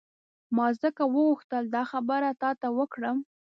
ما ځکه وغوښتل دا خبره تا ته وکړم.